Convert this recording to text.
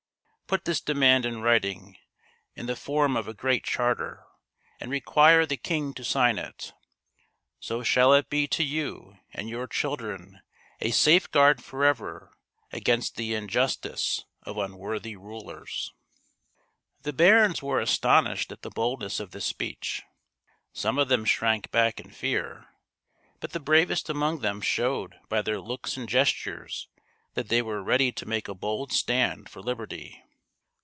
Put this demand in writing — in the form of a great charter — and require the king to sign it. So shall it be to you and your children a safeguard forever against the injustice of unworthy rulers." The barons were astonished at the boldness of this speech. Some of them shrank back in fear, I20 THIRTY MORE FAMOUS STORIES but the bravest among them showed by their looks and gestures that they were ready to make a bold stand for liberty.